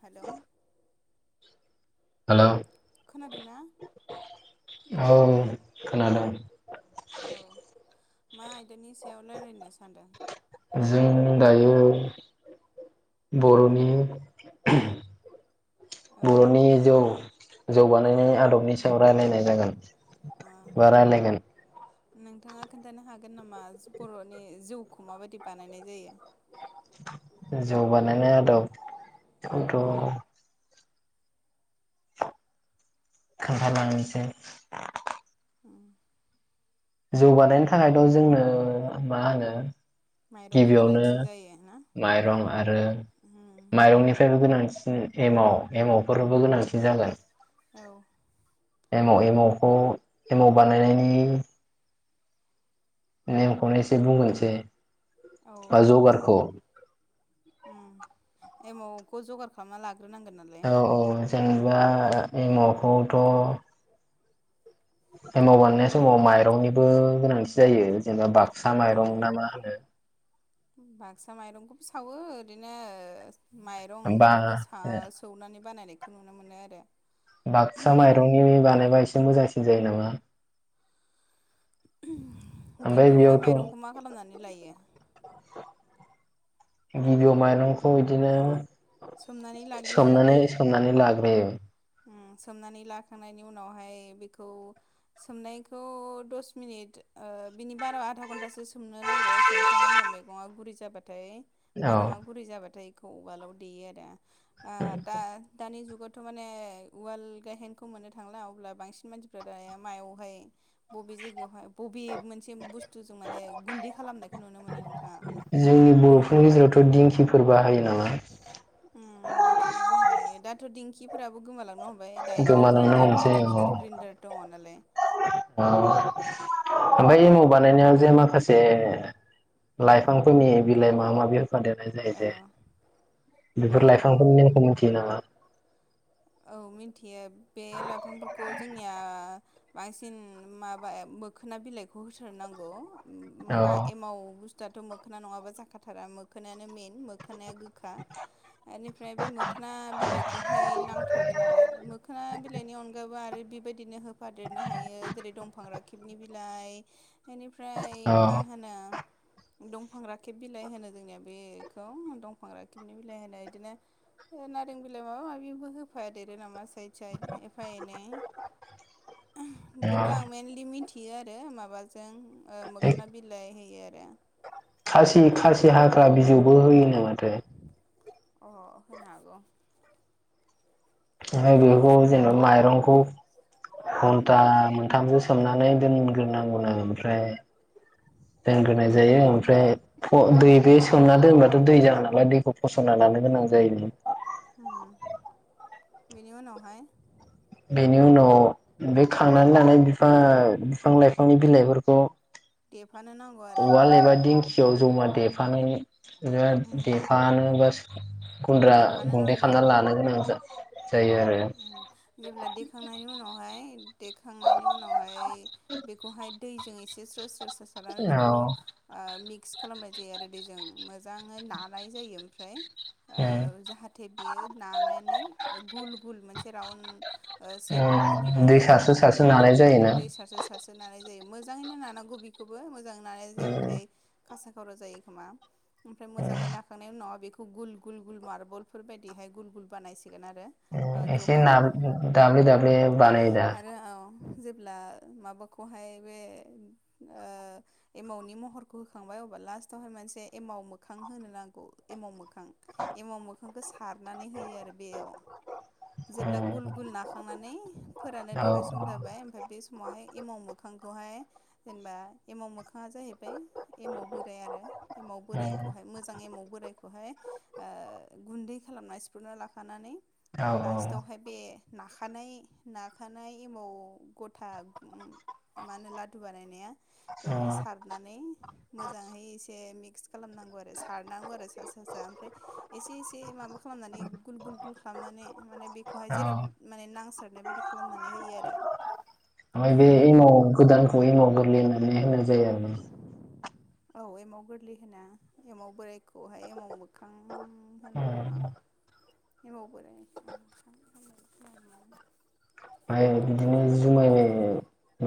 Hello. Hello. खोनादोंना औ खोनादों। औ मा आयदानि सायाव रायलायनो सानदों? जों दायो बर'नि औ बर'नि जौ जौगानायनि आदबनि सायाव राय्लायनाय जागोन। ओ बा रायलायगोन। नोंथाङा खोन्थानो हागोन नामा बर'नि जौखौ माबायदि बानायनाय जायो? जौ बानायनाय आदब खौथ' खोन्था लांनिसै उम जौगानायनि थाखायनोथ' जोंनो मा होनो माइरंनि गिबियावनो गोनांथि जायो ना माइरं आरो उम माइरंनिफ्रायबो गोनांसिन एमाव-एमाव। फरावबो गोनांथि जागोन। औ। एमाव-एमावखौ एमाव बानायनायनि नेम खौनो एसे बुंहोनोसे औ बा दे बुं जगारखौ उम एमावखौ जगार खालामना लाग औ-औ नोंथां। बा एमावखौथ' एमाव बानायनाय समाव माइरंनिबो गोनांथि जायो जेनेबा बाग सा माइरं ना मा होनो बाग्सा माइरंखौबो सावो ओरैनो बा माइरंखौबो सा-सौनानै बानायनाय खौ नुनो मोनो आरो बागसा मायरंनि बानायबा इस मोजांसिन जायो नामा उहम ओमफ्राय गिबियावहाय बेयावथ' माइरंखौ मा खालामनानै लायो गिबियाव माइरंखौ इदिनो सोमनानै लाग्रोयो सोमनानै-सोमनानै लागो ए उम सोमनानै लाखांनायनि उनावहाय बेखौ सोमनायखौ दस मिनिट ओ बिनि बारा आधा घन्टासो सोमनो नांगौ सोमखांनायनि उनाव मेगङा गुरै जाबा फाय औ माइरंआ गुरै जाबाथाय खौ उवालाव देयो आरो। आ दा-दानि जुगाव थ' माने फाय उवाल गाहेनखौ मोननो थांला अब्ला बांसिन मानसिफ्रा दायो मायावहाय बबे जायगायावहाय बबे मोनसे बुसथुजों माने गुन्दै खालामनायखौ नुनो मोनो नोंथाङा उहम फोर बाहायो नामा उम दिंखिबो बाहायनाय नुयो दाथ' दिंखिफोराबो गोमालांनो हम बाय दायथ' गोमालांनो ग्रिन्दार हमसै औ गिदिर-गिदिर ग्रिन्दार दङ नालाय। ओमफाय एमाव बानायनायाव जे माखासे लाइफांफोरनि बिलाइ माबा माबि होफादेरनाय जायो औ जे औ औ बेफोर लाइफांफोरनि नामखौ मिथियो नामा औ मिन्थि यो बे लाइफांफोरखौ जोंनिया बांसिन माबा मोखोना बिलाइखौ होथारनांगौ। [inaudible] ओम-मा औ एमाव बुस्थ [inaudible] थाथ मोखोना नङाबा जाथारा मोखोनायानो मेन मोख [inaudible] मोखोना गोखा ओनिफ्राय बे मोखोना बिलाइखौहाय नां [inaudible] थारगोन आरो मोखोना बिलाइनि अनगाबो आरो। [inaudible] बेबायदिनो होब [inaudible] फादेरनो हायो जेरै दं [inaudible] फां राखेबनि बिलाइ। [inaudible] बेनिफ्राय मा औ होनो। [inaudible] दंफां राखेब बिलाइ होनो जोंनिया बेखौ दंफां राखेबनि बिलाइ होनो इदिनो ओ-नारें बिलाइ माबा माबिबो होब [inaudible] फादेरो नामा स [inaudible] [unintelligible] एफा एनै [inaudible] खिनथु औ आं मेनलि मिनथि [inaudible] इयो आरो माबाजों ओ-मोखोना बिलाइ होयो। [unintelligible] खासि खासि हाग्रा बिजौबो होयोनो माथो? अ होनो हागौ। [inaudible] ओमफ्राय बेफोरखौ जेनेबा माइरंखौ घन्टा मोनथामसो सोमनानै दोनग्रोनांगौनो आरो ओमफ्राय दोनग्रोनाय जायो ओमफ्राय फ दै बे सोमना दोनबाथ' दै जागोन नालाय दैखौ फसंना लानो गोनां जायो। ओम बेनि उनावहाय? [inaudible] बेनि उनाव बे खांनानै लानाय बिफां बिफां लाइफांनि बिलाइफोरखौ। देब [inaudible] उवाल एबा दिंखियाव जमा देफानो उम देफानो बा गुन्द्रा देफानो गुन्दै नांगौ खालामना लानो गोनां जा जेब्ला देखांनायनि उनावहाय देखांनायनि उनावहाय बेखौहाय दैजों एसे औ [inaudible] [inaudible] खालामनाय जायो आरो दै जों मोजाङै नानाय जायो ओमफ्राय-' उम ओ जाहाथे बियो नानानै गुल [inaudible] मोनसे राउन। सेब होनो उम हायो दै आरो सारसो बेबायदि सारसो आरो नानाय जायोना दै सारसो सारसो लानाय जायो मोज मोजाङैनो नानांगौ बिखौबो मोजां नानाय उम जायाबाथाय खासाख सर' जायो खोमा [inaudible] ओमफ्राय मोजाङै नाखांनायनि उनावआ बेखौ गुल गुल गुल मार्बलफोर बायदिहाय गुल गुल बानायसै सिगोन आरो ओ एसे ना जखानि दाब्ले दाब्ले बानायो दा? आरो औ जेब्ला माबाखौहाय बे ओ एमावनि महरखौ होखांबाय अब्ला लास्टावहाय मानसे एमाव मोखां होनो नांगौ एमाव मोख खां एमाव मोख मोखांखो सारनानै होयो आरो बेयाव जेब्ला उम गुल गुल नाखांनानै फोरानो औ थाखाय सम जाबाय ओमफाय बे सम समावहाय एमाव मोखांखौहाय जेनबा एमाव मोखाङा जाहैबाय एमाव बोराय आरो। एमाव उम बोराइखौहाय मोजां एमाव बोराइखौहाय ओ गुन्दै खालामना सिफ्रुना लाखानानै औ उम लास्टावहाय बे नाखानाय नाखानाय एमाव गथा मा होनो लादु बानायनाया? बेवहाय सारनानै मोजाङै एसे मिक क्स खालामनांगौ आरो सारनांगौ सा सा सा मफ्राय एसे एसे माबा खालामनानै गुल गुल गुल खालामनानै माने बेखौहाय औ जेराव माने नांस सारनाय बायदि खालामनानै होयो आरो। ओमफ्राय बे एमाव गोदानखौ एमाव गोरलै [unintelligible] माने होनाय जायो ओरोना? औ एमाव गोरलै होना एमाव बोराइखौहाय एमाव मोखां होनो नामा [unintelligible] एमाव बोराय [inaudible] ओमफाय बिदिनो जुमाय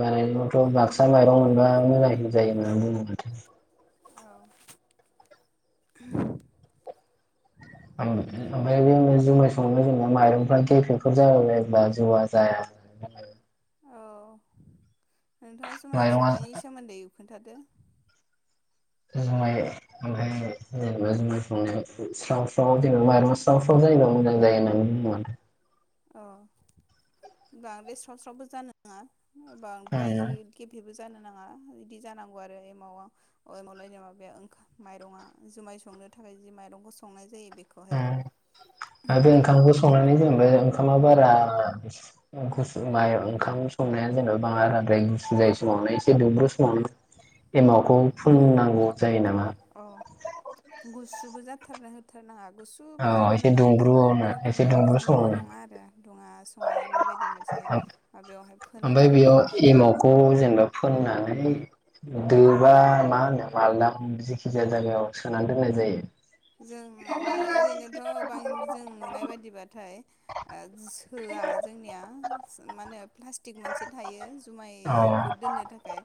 बानायनायथ' बाक्सा माइरं मोनबा मोजांसिन जायो होनना बुङो माथो। औ। [inaudible] [unintelligible] जुमाय संनो जेनेबा माइरंफ्रा गेफेफोर जाबाय जायोब्ला जौआ जाया औ नोंथाङा जुमाय माइरङा संनायनि सोमोन्दै खोन्थादो। जुमाय ओमफ्राय जेनेबा जुमाय संनायाव स्राव स्राव जेनेबा मा स्राव स्राव जायोबा मोजां जायो होननानै बुङो माथो। अ बांद्राय स्राव स्रावबो जानो नाङा बांद्राय माथो गेफे जानो नाङा बिदि जानांगौ आरो एमावआ ओ एमावलायनो माबाया ओंखा माइरंआ जुमाय संनो थाखाय जि माइरंखौ संनाय जायो बेखौहाय ओं आरो ओंखामखौ संनानै जों बे ओंखामा बारा गुसु माइ ओंखाम संनाया जेनेबा बाराद्राय गुसु जायै समावनो एसे दुंब्रुद समावनो एमावखौ फुननांग अ गुसुबो ज [inaudible] जाथारनो होथारनो नाङा। [inaudible] गुसुबो औ जानो एसे नाङा दुंब्रुआवनो आरो बांद्राय गुदुंबो नङा आरो दुङा सु फोनो ओमफाय नांगौ बेयाव आरो एमावखौ जेनेबा फोननानै दोबा मा होन [inaudible] आलादा जेखि जाया जायगायाव सोनानै दोननाय जायो। जोङो बा ओरैनोथ' बां जों नुनाय बायदिबाथाय ओ सोआ जोंनिया [inaudible] प्लाष्टिक मोनसे थायो औ जुमाइखौ दोननो थाखाय।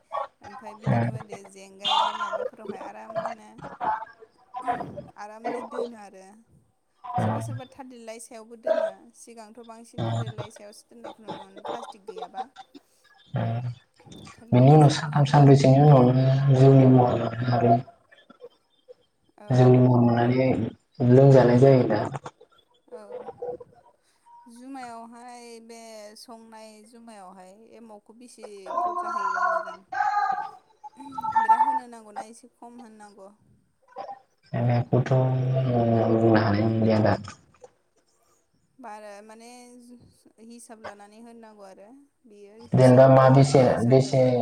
ओमफ्राय बिदिनो बायदि जेंगाय [inaudible] बा माब [inaudible] माबाफोरावहाय आरामनो ओहोम [inaudible] आरामनो दोनो आरो। सोरबा सोरबा थालिरलाइ स सायावबो दोनो सिगांथ' बांसिन थालेरलाइ सायावसो दोननायखौ नुनो मोनो प्लास्टिक गैयाबा। थालिर बिनि उनाव लाइसायावहाय सानथाम दोननाय सानब्रैसोनि नुयोमोन आरो उनावनो जौनि महर औ जौनि महर मोननानै लोंजानाय जायो दा? औ जुमायावहाय बे संनाय जुमायावहाय एमावखौ बेसे बुरजा होयोबा मोजां ओहोम बिरा होनो नांगौना एसे खम होनो नांगौ? [inaudible] एमावखौथ' बुंनो हानाय नंलिया दा। बारा माने हिसाब लानानै होननांगौ आरो। बेयो हिसाब जेनेबा मा बेसे माबाजों हिसाब बेसे जायो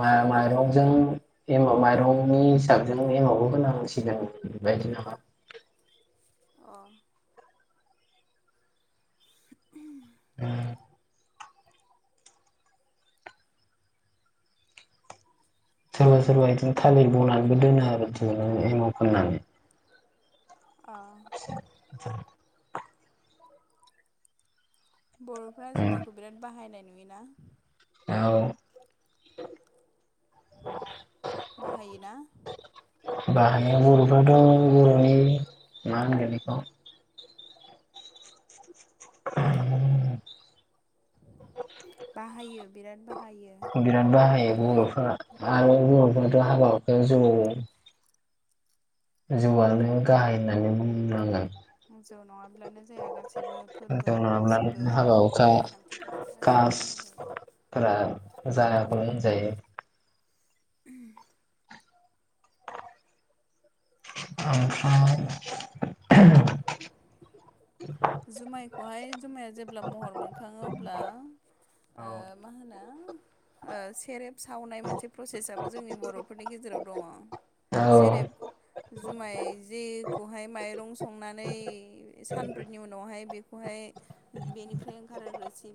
मा माइरंजों एमाव माइरंनि हिसाबजों एमावबो होनांसिगोन बेबायदि नामा? अ। [inaudible] उम। सोरबा सोरबा बिदिनो थालिर बनानैबो दोनो आरो बिदिनो एमाव फोननानै। अ। बर'फोरा जुमायखौ बिराद बाहायनाय नु योना? [inaudible] औ। [inaudible] बाहायोना? बाहायो बर'फ्राथ' बर'नि मा होनगोन बेखौ। [inaudible] बाहायो। [inaudible] बिराद ब [inaudible] बिराद बाहायो। मनो [inaudible] आ [inaudible] हाबा ज [inaudible] जौआनो गाहाय होननानै बुंनांगोन। [inaudible] जौ नङाब्लानो जाया गासैबो फोरबो जौ नङाब्लानो गाैबो हाबा हुखा हलामा खान्थिफोरावनो गासैबो नांगौ कासफोरा जाया जायाखौनो होनजायो [inaudible] [inaudible] जुमाइखौहाय जुमाया जेब्ला महर मोनखाङो अब्ला औ मा होनो सेरेब सावनाय मोनसे प्रसेसआबो जोंनि बर'फोरनि गेजेराव दङ औ औ सेरेब जुमाय जेखौहाय माइरं संनानै सान फोरनि उनावहाय बेखौहाय बेनिफ्राय ओंखारो।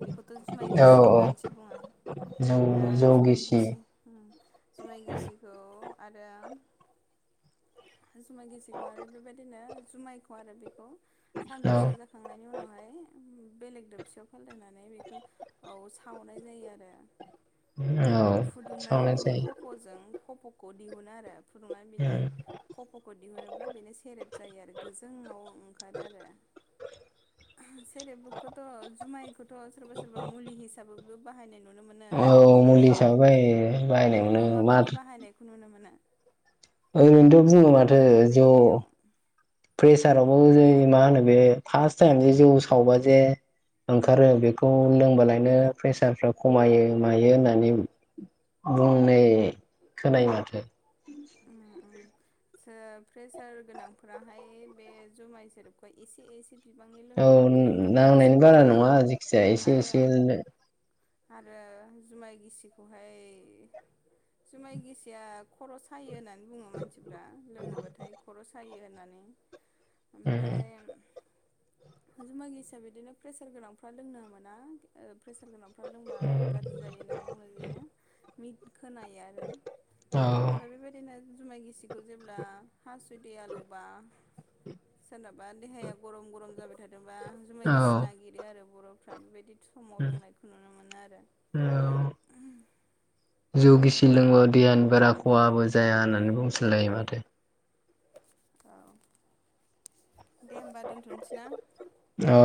बे खौथ' जुमाय गिसि औ होननानैसो बुङो जौ दा जौ जुमाय गिसि [inaudible] जुमाय गिसिखौ आरो जुमाय गिसिखौ आरो बेबायदिनो जुमायखौ आरो बेखौ [inaudible] औ सानब्रैसो जाखांनायनि उनावहाय बेलेग दोबसियाव फालायनानै बेखौ औ सावनाय जायो आरो औ [inaudible] फुदुंनानै सावनाय बिनि खफ'जों [inaudible] खफ'खौ दिहुनो आरो फुदुंनानै बिनि जायो खफ'खौ दिहुनोब्ला बेनो सेरेब जायो आरो गोजोंआव ओंखारो आरो [inaudible] सेरेबुखौथ' जुमायखौथ' सोरबा सोरबा मुलि हिसाबैबो बाहायनाय नुनो मोनो नोंथां। [inaudible] पुलिसाबो बायो बायनायावनो माथो [inaudible] खुनुनो मोनो [inaudible] खिन्थु बुङो माथो बबे ज' बबेयाव प्रेसाराव मा होनो बे फार्स्ट टाइम जे जौ सावबा जे ओंखारो बेखौ लोंबालायनो प्रेसारफ्रा खमायो मायो होननानै बुंनाय खोनायो माथो। प्रेसार गोनांफोराहाय बे जुमाय सेरेोबखौ एसे एसे [inaudible] औ लोङोब्ला बियो मुलि नांनायनि हिसाबै बारा जायो नङा आरो जेखिजाया एसे आरो एसे आरो जुमाय गिसिखौहाय जुमाय गिसिया खरस योना [inaudible] मानसिफ लोङोबाथाय ख'र' सायो [inaudible] होननानै [inaudible] ओमफ्राय [inaudible] जमि हिसाब बिदिनो प्रेसार गोनांफ्रा लोंनो मोना [inaudible] प्रेसार गोनांफ्रा लोंबा गाज्रि जायो होननानै बुंनाय जायो [inaudible] [inaudible] खोनायो आरो [inaudible] बेबायदिनो जुमाय गिसि [inaudible] बेखौ जेब्ला हासुदै आलौबा सोरनाबा देहाया गरम गरम जाबाय थादोंबा जुमाय गिसि औ नागिरो आरो बरफ फ्रा बेबायदि। समाव लोंनायखौ नुनो मोनो आरो। औ औ [unintelligible] बारा खहाबो जाया होननानै बुंसोलायो माथो। औ। [inaudible] दे होमबा दोनथनोसै ना? औ